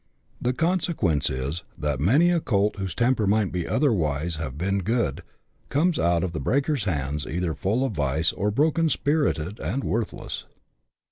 The consequence is, that many a colt whose temper might otherwise have been good, comes out of the breaker's hands either full of vice, or brokenspirited and worthless.